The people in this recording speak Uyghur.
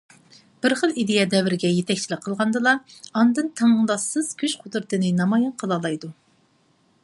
بىر خىل ئىدىيە دەۋرگە يېتەكچىلىك قىلغاندىلا، ئاندىن تەڭداشسىز كۈچ- قۇدرىتىنى نامايان قىلالايدۇ.